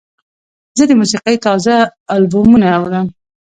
زه د موسیقۍ تازه البومونه اورم.